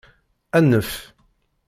Anef!